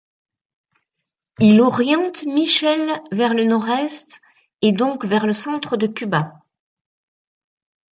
Il oriente Michelle vers le nord-est, et donc vers le centre de Cuba.